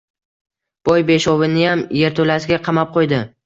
Boy beshoviniyam yerto‘lasiga qamab qo‘ydi